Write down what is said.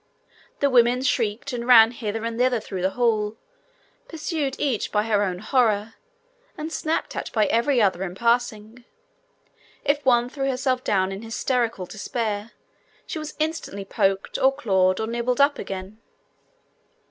The women shrieked, and ran hither and thither through the hall, pursued each by her own horror, and snapped at by every other in passing. If one threw herself down in hysterical despair, she was instantly poked or clawed or nibbled up again.